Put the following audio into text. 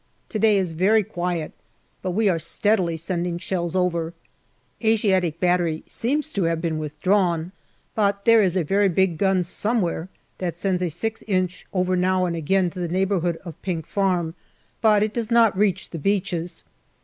To day is very quiet, but we are steadily sending shells over. Asiatic battery seems to have been withdrawn, but there is a very big gun somewhere that sends a 6 inch 10 146 GALLIPOLI DIARY over now and again to the neighbourhood of Pink Farm, but it does not reach the beaches.